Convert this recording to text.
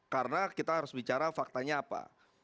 karena kita harus bicara faktanya apa